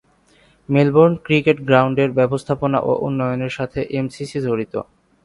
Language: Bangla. মেলবোর্ন ক্রিকেট গ্রাউন্ডের ব্যবস্থাপনা ও উন্নয়নের সাথে এমসিসি জড়িত।